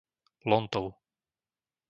Lontov